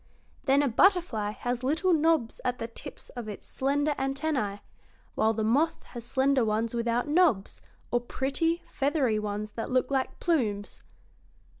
Then a butterfly has little knobs at the tips of its slender antennæ, while the moth has slender ones without knobs, or pretty, feathery ones that look like plumes."